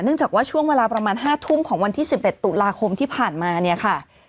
จากว่าช่วงเวลาประมาณ๕ทุ่มของวันที่๑๑ตุลาคมที่ผ่านมาเนี่ยค่ะ